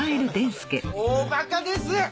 大バカです！